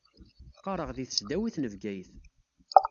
Qqaṛeɣ di tesdawit n Bgayet.